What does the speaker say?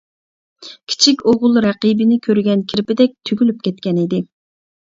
كىچىك ئوغۇل رەقىبىنى كۆرگەن كىرپىدەك تۈگۈلۈپ كەتكەنىدى.